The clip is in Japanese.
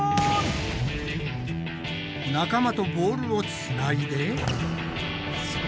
仲間とボールをつないで。